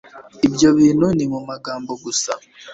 Ibyo bintu ni mu magambo gusa